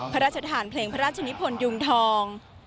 พระราชทานเพลงพระราชนิพลยุงทอง